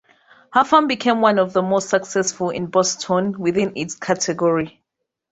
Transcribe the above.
Her firm became one of the most successful in Boston within its category.